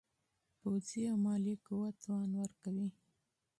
پوځي او مالي قوت توان ورکوي.